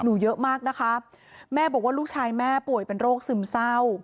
หนูเยอะมากนะคะแม่บอกว่าลูกชายแม่ป่วยเป็นโรคซึมเศร้า